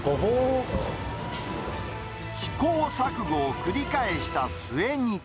試行錯誤を繰り返した末に。